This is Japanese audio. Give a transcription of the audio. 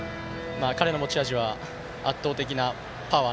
彼の持ち味は圧倒的なパワー